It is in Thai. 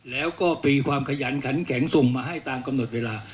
แล้วก็มีความขยันขันแข็งส่งมาให้ตามกำหนดเวลา